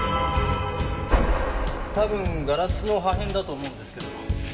多分ガラスの破片だと思うんですけど。